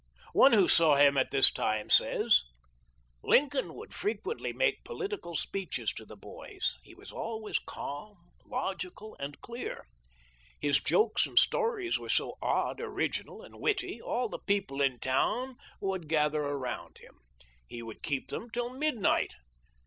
One who saw him at this time says :" Lincoln would frequently make political speeches to the boys ; he was always calm, logical, and clear. His jokes and stories were so odd, orig inal, and witty all the people in town would gather around him. He would keep them till midnight.